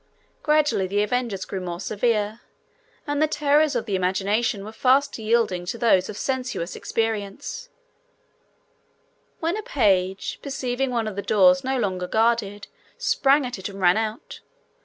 Gradually the avengers grew more severe, and the terrors of the imagination were fast yielding to those of sensuous experience, when a page, perceiving one of the doors no longer guarded, sprang at it, and ran out.